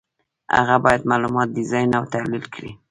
هغه باید معلومات ډیزاین او تحلیل کړي.